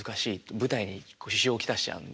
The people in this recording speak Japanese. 舞台に支障を来しちゃうんで。